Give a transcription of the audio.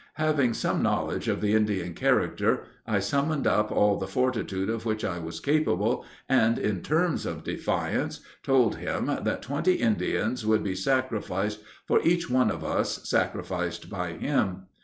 Having some knowledge of the Indian character, I summoned up all the fortitude of which I was capable, and, in terms of defiance, told him, that twenty Indians would be sacrificed for each one of us sacrificed by him.